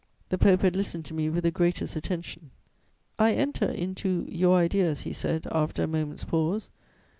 "The Pope had listened to me with the greatest attention. "'I enter into your ideas,' he said, after a moment's pause.